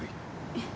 ええ。